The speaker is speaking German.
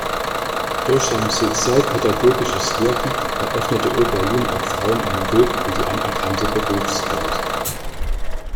Durch sein sozialpädagogisches Wirken eröffnete Oberlin auch Frauen einen Weg in die anerkannte Berufswelt.